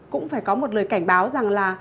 cũng phải có một lời cảnh báo rằng là